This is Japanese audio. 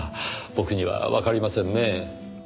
僕にはわかりませんねぇ。